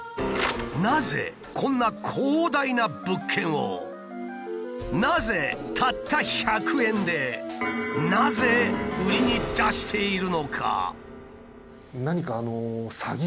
なぜこんな広大な物件をなぜたった１００円でなぜ売りに出しているのか？